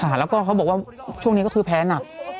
แล้วก็เขาบอกว่าช่วงนี้ก็คือแพ้หนัก